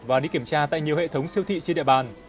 và đi kiểm tra tại nhiều hệ thống siêu thị trên địa bàn